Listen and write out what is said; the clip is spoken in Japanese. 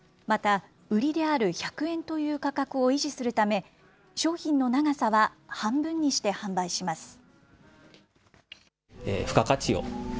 また、売りである１００円という価格を維持するため、商品の長さは半分にして販売します。